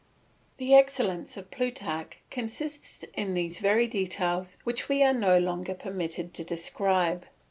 The excellence of Plutarch consists in these very details which we are no longer permitted to describe.